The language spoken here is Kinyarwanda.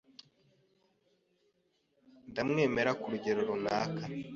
Ndamwemera ku rugero runaka.